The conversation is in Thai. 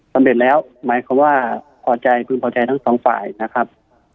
สำเร็จแล้วหมายความว่าพอใจพึงพอใจทั้งสองฝ่ายนะครับ